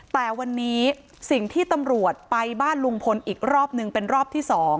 แต่วันนี้สิ่งที่ตำรวจไปบ้านลุงพลอีกรอบนึงเป็นรอบที่๒